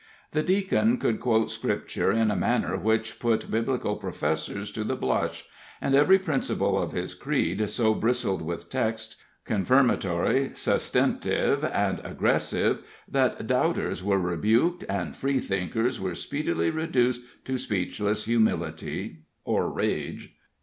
The Deacon could quote scripture in a manner which put Biblical professors to the blush, and every principle of his creed so bristled with texts, confirmatory, sustentive and aggressive, that doubters were rebuked and free thinkers were speedily reduced to speechless humility or rage.